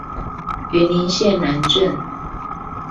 雲林縣南鎮